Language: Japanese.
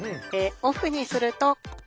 オフにすると。